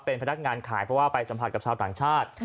เป็นพนักงานขายเพราะว่าไปสัมผัสกับชาวต่างชาติ